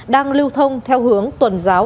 đang lưu thông theo hướng tuần giáo